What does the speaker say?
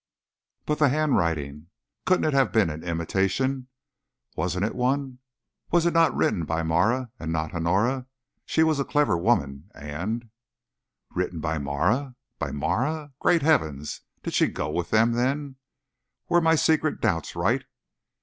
"But the handwriting? Couldn't it have been an imitation? Wasn't it one? Was it not written by Marah, and not Honora? She was a clever woman, and " "Written by Marah? By Marah? Great heavens, did she go with them, then? Were my secret doubts right?